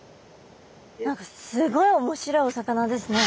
何かすごい面白いお魚ですね。